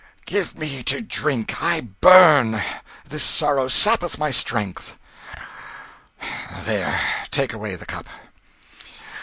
... Give me to drink I burn: this sorrow sappeth my strength. ... There, take away the cup.